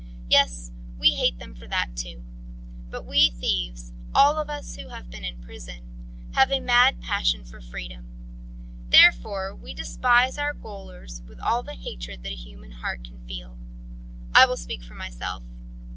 Yes, we hate them for that too. But we thieves, all of us who have been in prison, have a mad passion for freedom. Therefore we despise our gaolers with all the hatred that a human heart can feel. I will speak for myself.